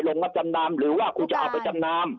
ลงวัดจำนามหรือว่าคุณจะเอาไปจำนาม